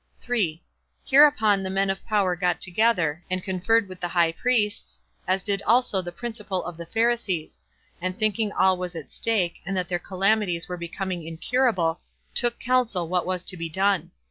3. Hereupon the men of power got together, and conferred with the high priests, as did also the principal of the Pharisees; and thinking all was at stake, and that their calamities were becoming incurable, took counsel what was to be done.